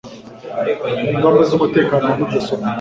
ingamba z'umutekano wa mudasobwa